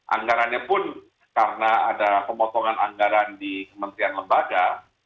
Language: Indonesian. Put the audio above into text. anggarannya pun karena ada pemotongan anggaran di kementerian lembaga